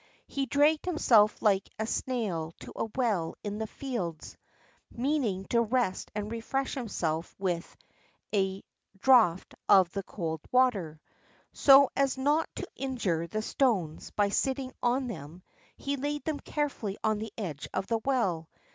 He dragged himself like a snail to a well in the fields, meaning to rest and refresh himself with a draught of the cool water. So as not to injure the stones by sitting on them, he laid them carefully on the edge of the well.